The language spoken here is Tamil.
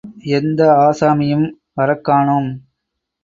எந்த ஆசாமியும் வரக்கானோம்.